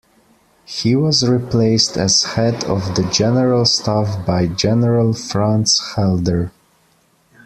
He was replaced, as head of the General Staff, by General Franz Halder.